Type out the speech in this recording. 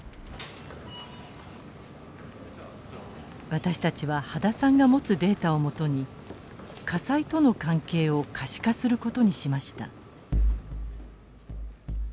私たちは秦さんが持つデータをもとに火災との関係を可視化する事にしました。